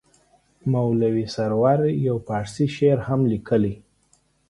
مولوي سرور یو فارسي شعر هم لیکلی.